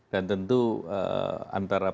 dan tentu antara